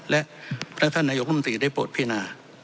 และท่านในยกนวงที่ได้โปรดพินา